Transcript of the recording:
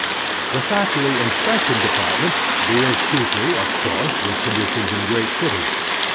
The Factory Inspection Department deals chiefly, of course, with conditions in great cities.